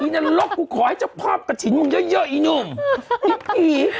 ไอ้นรกคุณขอให้เจ้าพร้อมกระฉินมึงเยอะเยอะไอ้หนุ่มไอ้ผี